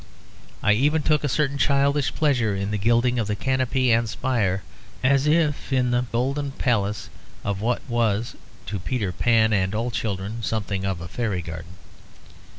I even took a certain childish pleasure in the gilding of the canopy and spire, as if in the golden palace of what was, to Peter Pan and all children, something of a fairy garden.